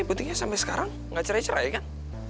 berarti sampai sekarang gak cerai cerai kan